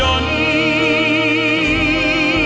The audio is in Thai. ยอมอาสันก็พระปองเทศพองไทย